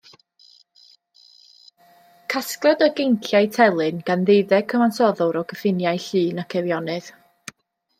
Casgliad o geinciau telyn gan ddeuddeg cyfansoddwr o gyffiniau Llŷn ac Eifionydd.